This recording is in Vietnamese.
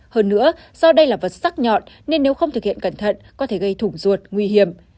hơn nữa do đây là vật sắc nhọn nên nếu không thực hiện cẩn thận có thể gây thủng ruột nguy hiểm